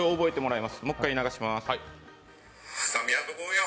もう１回流します。